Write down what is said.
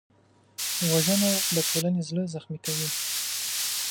وژنه د ټولنې زړه زخمي کوي